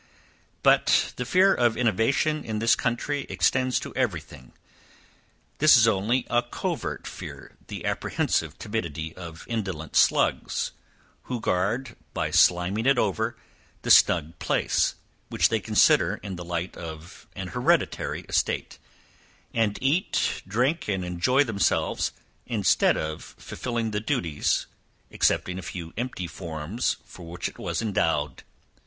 But the fear of innovation, in this country, extends to every thing. This is only a covert fear, the apprehensive timidity of indolent slugs, who guard, by sliming it over, the snug place, which they consider in the light of an hereditary estate; and eat, drink, and enjoy themselves, instead of fulfilling the duties, excepting a few empty forms, for which it was endowed.